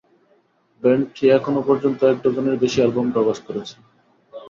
ব্যান্ডটি এখনো পর্যন্ত এক ডজনের বেশি অ্যালবাম প্রকাশ করেছে।